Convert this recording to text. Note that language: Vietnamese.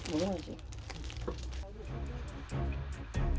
đúng rồi chị